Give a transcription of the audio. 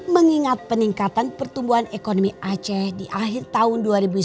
mengingat peningkatan pertumbuhan ekonomi aceh di akhir tahun dua ribu sembilan belas